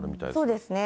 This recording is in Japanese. そうですね。